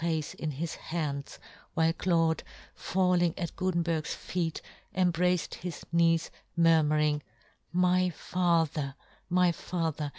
face in his hands, while Claude, fall ing at Gutenberg's feet, embraced his knees, murmuring, " My father, my " father